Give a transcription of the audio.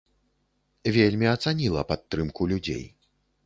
Вельмі ацаніла падтрымку людзей.